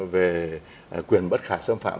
về quyền bất khả xâm phạm